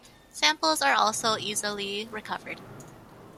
Samples are also easily recovered.